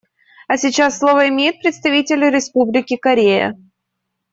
А сейчас слово имеет представитель Республики Корея.